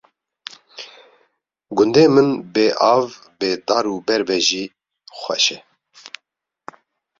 gundê min bê av, bê dar û ber be jî xweş e